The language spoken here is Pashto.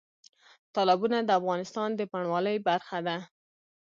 تالابونه د افغانستان د بڼوالۍ برخه ده.